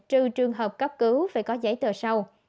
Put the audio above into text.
trừ trường hợp cấp cứu phải có giấy tờ sau